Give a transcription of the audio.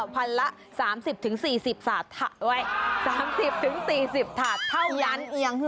ถาดละ๓๐๔๐ถาดเท่านั้น